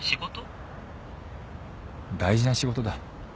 大事な仕事だ。